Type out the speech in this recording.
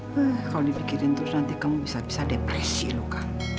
kalau dibikirin terus nanti kamu bisa depresi luka